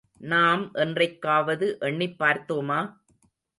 நாம் என்றைக்காவது எண்ணிப் பார்த்தோமா?